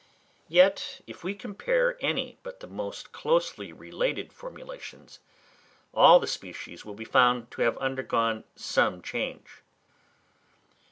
Yet if we compare any but the most closely related formations, all the species will be found to have undergone some change.